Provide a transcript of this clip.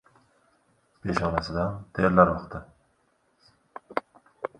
Peshonasidan terlar oqdi.